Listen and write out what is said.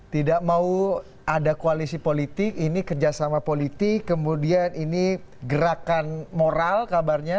tidak mau ada koalisi politik ini kerjasama politik kemudian ini gerakan moral kabarnya